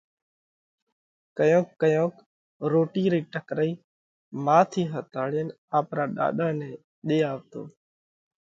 ڪيونڪ ڪيونڪ روٽِي رئِي ٽڪرئِي مان ٿِي ۿتاڙينَ آپرا ڏاڏا نئہ ۮي آوَتو۔